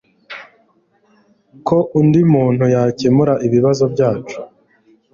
ko undi muntu yakemura ibibazo byacu